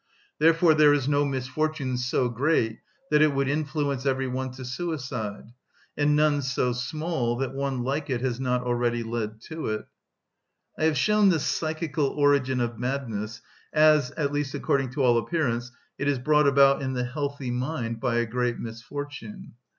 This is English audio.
Therefore there is no misfortune so great that it would influence every one to suicide, and none so small that one like it has not already led to it. I have shown the psychical origin of madness as, at least according to all appearance, it is brought about in the healthy mind by a great misfortune.